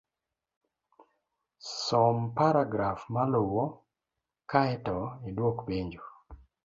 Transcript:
Som paragraf maluwo, kae to idwok penjo